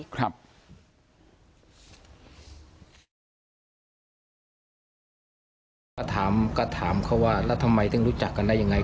ก็ถามเขาว่าแล้วทำไมต้องรู้จักกันได้ยังไง